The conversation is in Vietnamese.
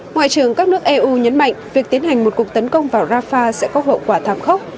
ngoại trưởng các nước eu nhấn mạnh việc tiến hành một cuộc tấn công vào rafah sẽ có hậu quả thảm khốc